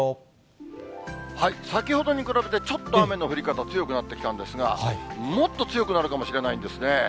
先ほどに比べてちょっと雨の降り方強くなってきたんですが、もっと強くなるかもしれないんですね。